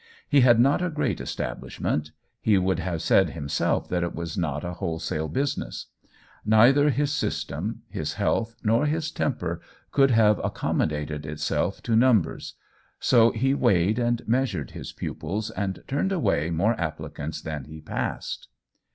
He had not a great establishment; he would have said himself that it was not a wholesale business. Neither his system, his health, nor his temper could have accommodated itself to numbers ; so he weighed and meas ured his pupils, and turned away more ap plicants than he passed.